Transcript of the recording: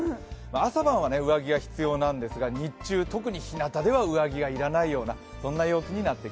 朝晩は上着が必要なんですが、日中は特にひなたでは上着が要らないような天気です。